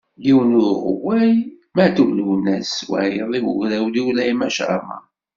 Yiwen i uɣewway Matub Lwennas, wayeḍ i ugrawliw Laymac Aɛmaṛ.